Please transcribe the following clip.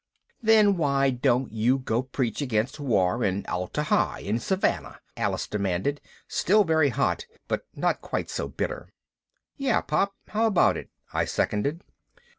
"Then why don't you go preach against war in Atla Hi and Savannah?" Alice demanded, still very hot but not quite so bitter. "Yeah, Pop, how about it?" I seconded.